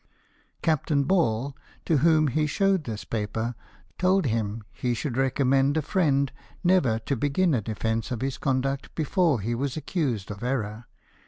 Captain Ball, to whom he showed this paper, told him he should recommend a friend never to begin a defence of his conduct before he was accused of error.